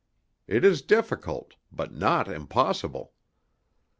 It is difficult, but not impossible.